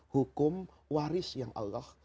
hukum waris yang allah